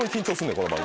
この番組。